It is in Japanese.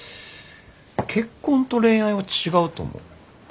結婚と恋愛は違うと思う。